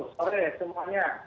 selamat sore semuanya